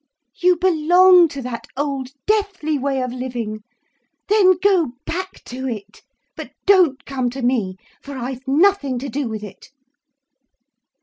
You belong to that old, deathly way of living—then go back to it. But don't come to me, for I've nothing to do with it."